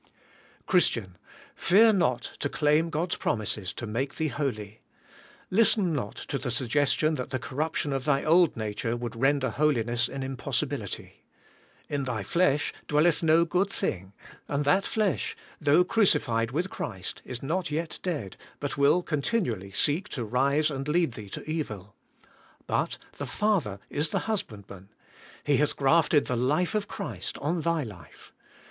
Christian, fear not to claim God's promises to make thee holy. Listen not to the suggestion that the cor ruption of thy old nature would render holiness an impossibility. In thy flesh dwelleth no good thing, and that flesh, though crucified with Christ, is not yet dead, but will continually seek to rise and lead AS YOUR SANCTIFICATION. 77 thee to evil. But the Father is the Husbandman. He hath grafted the life of Christ on thy life.